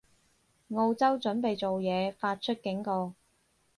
澳洲準備做嘢，發出警告